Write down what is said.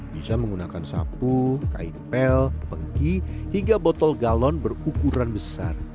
bisa menggunakan sapu kain pel pengki hingga botol galon berukuran besar